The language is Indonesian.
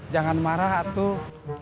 jangan marah atuh